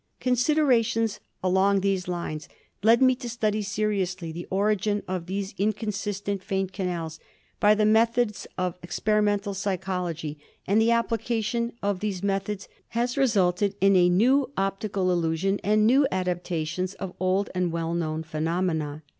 "Considerations along these lines led me to study seri ously the origin of these inconsistent faint canals by the methods of experimental psychology, and the application of these methods has resulted in a new optical illusion and new adaptations of old and well known phenomena."